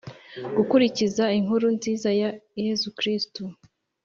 gukurikiza inkuru nziza ya Yezu Kristu